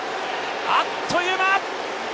あっという間。